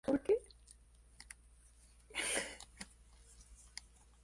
Central a este mecanismo fue el mercantilismo y el proteccionismo.